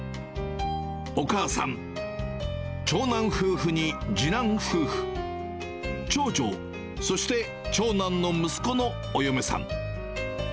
お母さん、長男夫婦に次男夫婦、長女、そして長男の息子のお嫁さん。